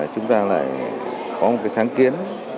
chúng ta lại có một cái sáng kiến